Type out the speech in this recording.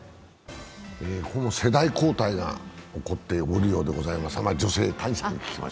ここも世代交代が起こっておるようでございます。